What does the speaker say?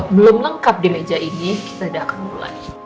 belum lengkap di meja ini kita sudah akan mulai